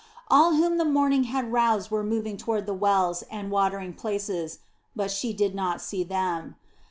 All whom the morning had roused were moving toward the wells and watering places, but she did not see them.